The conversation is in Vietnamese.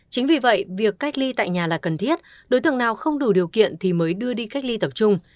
chính vì vậy việc cách ly tại nhà là cần thiết đối tượng nào không đủ điều kiện thì mới đưa đi cách ly tập trung